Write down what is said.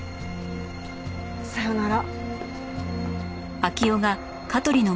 さようなら。